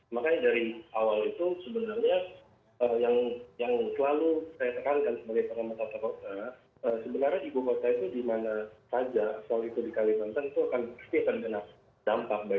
makanya dari awal itu sebenarnya yang selalu saya tekankan sebagai pengamat tata kota sebenarnya ibu kota itu dimana saja soal itu di kalimantan itu akan pasti terkena dampak